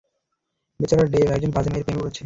বেচারা ডেভ, একজন বাজে মেয়ের প্রেমে পড়েছে।